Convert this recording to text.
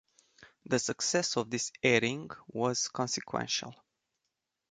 The success of this airing was consequential.